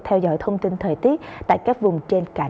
theo dõi thông tin thời tiết tại các vùng trên cả nước